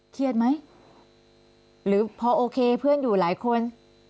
เครียดไหมหรือพอโอเคเพื่อนอยู่หลายคน